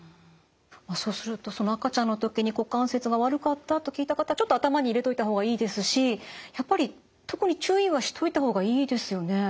そうするとその赤ちゃんの時に股関節が悪かったと聞いた方ちょっと頭に入れておいた方がいいですしやっぱり特に注意はしておいた方がいいですよね。